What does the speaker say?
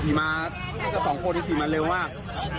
สี่มา๒คนสี่มาเร็วมาก